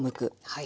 はい。